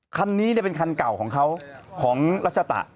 คันนี้เป็นคันเก่าของเขาของรัชตะ